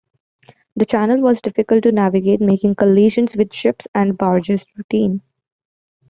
The channel was difficult to navigate, making collisions with ships and barges routine.